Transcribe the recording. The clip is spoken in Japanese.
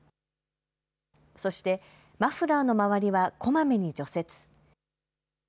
そして、マフラーの周りはこまめに除雪。